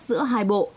giữa hai bộ